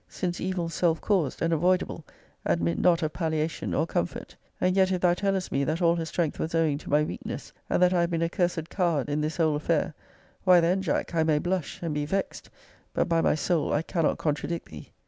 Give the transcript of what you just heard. since evils self caused, and avoidable, admit not of palliation or comfort. And yet, if thou tellest me, that all her strength was owing to my weakness, and that I have been a cursed coward in this whole affair; why, then, Jack, I may blush, and be vexed; but, by my soul, I cannot contradict thee.